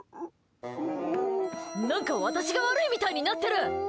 何か私が悪いみたいになってる！